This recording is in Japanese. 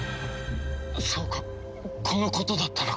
そうかこのことだったのか。